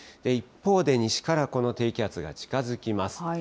一方で西からこの低気圧が近づきます。